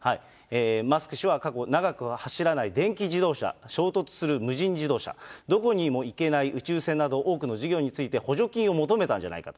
マスク氏は、過去長くは走らない電気自動車、衝突する無人自動車、どこにも行けない宇宙船など、多くの事業について、補助金を求めたんじゃないか。